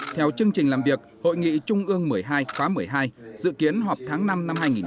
theo chương trình làm việc hội nghị trung ương một mươi hai khóa một mươi hai dự kiến họp tháng năm năm hai nghìn hai mươi